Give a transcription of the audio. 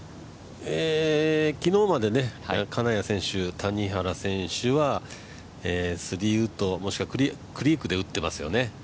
昨日まで、金谷選手谷原選手は３ウッド、もしくはクリークで打ってますよね。